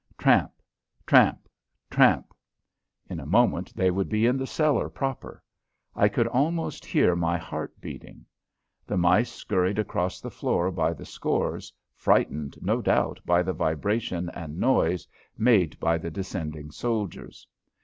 Tramp! Tramp! Tramp! In a moment they would be in the cellar proper. I could almost hear my heart beating. The mice scurried across the floor by the scores, frightened, no doubt, by the vibration and noise made by the descending soldiers.